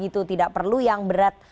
tidak perlu yang berat